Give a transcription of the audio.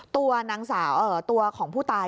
ตัวของผู้ตาย